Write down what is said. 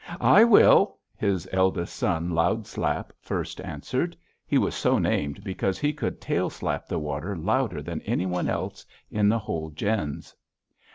"'I will!' his eldest son, Loud Slap, first answered. He was so named because he could tail slap the water louder than any one else in the whole gens.